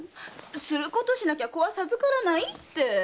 「することしなきゃ子は授からない」って。